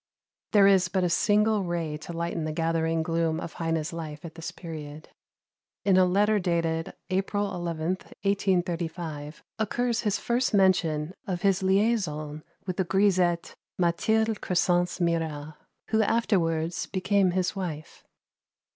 There is but a single ray to lighten the gathering gloom of Heine's life at this period. In a letter dated, April 11th, 1835, occurs his first mention of his liaison with the grisette Mathilde Crescence Mirat, who afterwards became his wife.